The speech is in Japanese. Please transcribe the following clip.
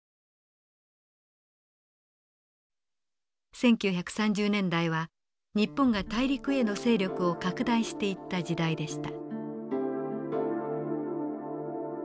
１９３０年代は日本が大陸への勢力を拡大していった時代でした。